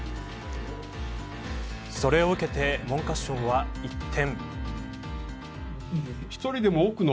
それを受けて文科省は一転。